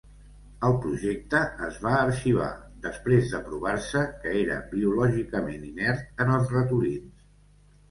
El projecte es va arxivar després de provar-se que era biològicament inert en els ratolins.